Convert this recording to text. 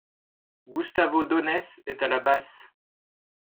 Gustavo Donés est à la basse.